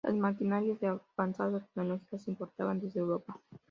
Las maquinarias -de avanzada tecnología- se importaban desde Europa.